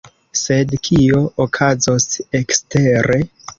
Sed kio okazos ekstere?